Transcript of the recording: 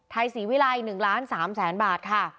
ไทยศรีวิลัย๑๓๐๐๐๐๐บาท